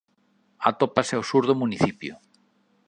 Atópase ao sur do municipio.